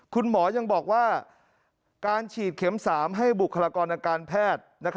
คุณหมอยังบอกว่าการฉีดเข็ม๓ให้บุคลากรทางการแพทย์